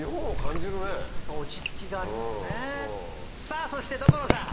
さぁそして所さん！